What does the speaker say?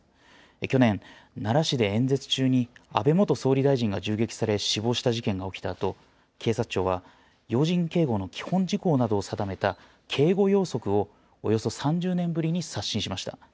去年、奈良市で演説中に安倍元総理大臣が銃撃され、死亡した事件が起きたあと、警察庁は、要人警護の基本事項などを定めた警護要則をおよそ３０年ぶりに刷新しました。